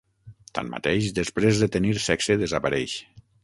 Tanmateix, després de tenir sexe, desapareix.